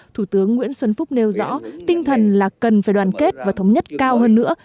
thủ tướng nguyễn xuân phúc nêu rõ tinh thần là cần phải đoàn kết và thống nhất cao hơn nữa